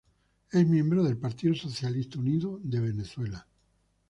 Es miembro del Partido Socialista Unido de Venezuela.